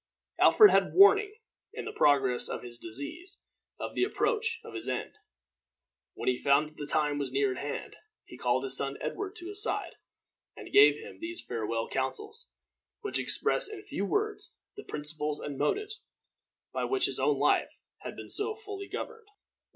Alfred had warning, in the progress of his disease, of the approach of his end. When he found that the time was near at hand, he called his son Edward to his side, and gave him these his farewell counsels, which express in few words the principles and motives by which his own life had been so fully governed.